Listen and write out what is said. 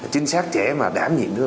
chính xác trẻ mà đảm nhiệm